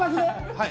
はい。